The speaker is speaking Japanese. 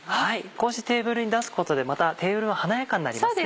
こうしてテーブルに出すことでまたテーブルも華やかになりますね。